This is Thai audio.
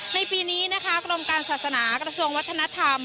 ในปีนี้นะคะกรมการศาสนากระทรวงวัฒนธรรม